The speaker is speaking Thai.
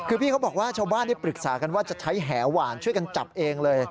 คือพี่เขาบอกว่าชาวบ้านได้ปรึกษากันว่าจะใช้แหหวานช่วยกันจับเองเลย